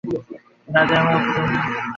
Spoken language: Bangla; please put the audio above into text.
রাজা প্রথমে রঘুপতির ভাব কিছু বুঝিতে পারিলেন না।